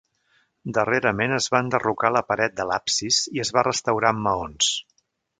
Darrerament es va enderrocar la paret de l'absis i es va restaurar amb maons.